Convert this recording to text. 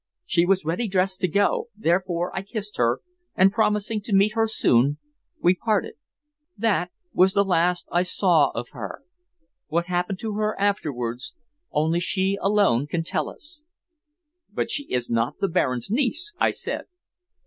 She was ready dressed to go, therefore I kissed her, and promising to meet her soon, we parted. That was the last I saw of her. What happened to her afterwards only she alone can tell us." "But she is not the Baron's niece?" I said.